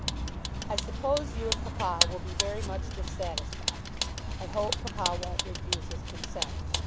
I suppose you and papa will be very much dissatisfied. I hope papa won't refuse his consent.